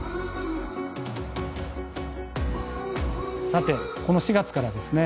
さてこの４月からですね